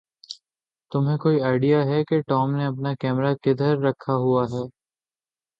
تمھیں کوئی آئڈیا ہے کہ ٹام نے اپنا کیمرہ کدھر دکھا ہوا ہے؟